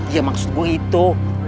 iya maksud gua itu